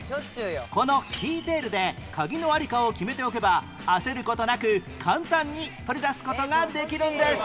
このキーテールでカギの在りかを決めておけば焦る事なく簡単に取り出す事ができるんです